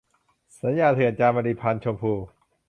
สัญญาเถื่อน - จามรี พรรณชมพู